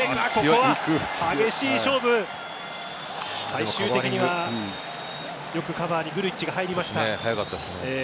最終的には、よくカバーにグルイッチが入りました。